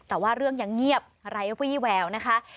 แต่ว่าเรื่องยังเงียบไร้วี่แววนะคะ